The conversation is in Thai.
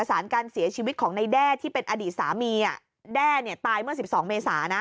สารการเสียชีวิตของในแด้ที่เป็นอดีตสามีแด้เนี่ยตายเมื่อ๑๒เมษานะ